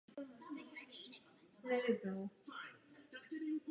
Profesně působil jako právník.